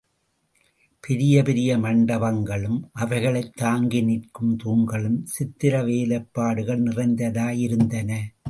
பெரிய பெரிய மண்டபங்களும் அவைகளைத் தாங்கி நிற்கும் தூண்களும் சித்திரவேலைப்பாடுகள் நிறைந்ததாயிருந்தன.